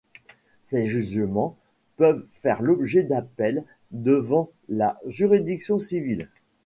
Ces jugements peuvent faire l'objet d'appels devant les juridictions civiles.